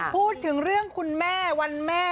พูดถึงเรื่องคุณแม่วันแม่